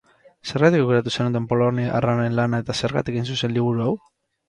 Zergatik aukeratu zenuten poloniarraren lana eta zergatik, hain zuzen, liburu hau?